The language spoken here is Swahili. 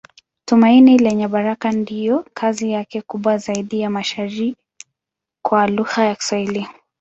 Tumaini Lenye Baraka ndiyo kazi yake kubwa zaidi ya mashairi kwa lugha ya Kiswahili.